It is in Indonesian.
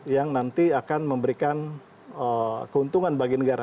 yang nanti akan memberikan keuntungan bagi negara